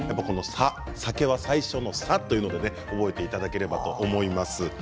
酒は最初の、さということで覚えていただければと思います。